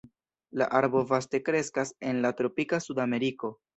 La arbo vaste kreskas en la tropika Sudameriko.